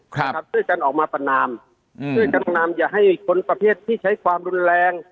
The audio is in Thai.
ช่วยกันออกมาประนามอืมช่วยกันประนามอย่าให้คนประเภทที่ใช้ความรุนแรง